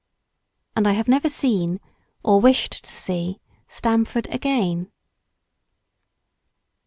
And I have never seen—or wished to see—Stamford again.